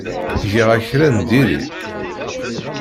Giɣ-ak kra n diri?